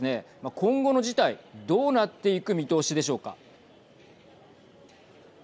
今後の事態どうなっていく見通しでしょうか。